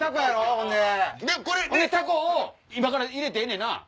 ほんでタコを今から入れてええねんな？